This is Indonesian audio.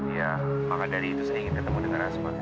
iya maka dari itu saya ingin ketemu dengan asma